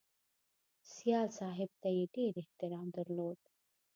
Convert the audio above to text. سیال صاحب ته یې ډېر احترام درلود